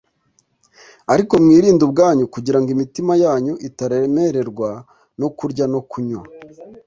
Ariko mwirinde ubwanyu kugira ngo imitima yanyu itaremererwa no kurya no kunywa